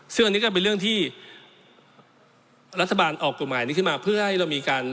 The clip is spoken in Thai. ซึ่งอันนี้ก็เป็นเรื่องที่รัฐบาลออกกฎหมายนี้ขึ้นมา